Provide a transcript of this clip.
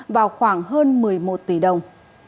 vào khoảng hơn một mươi một tỷ đồng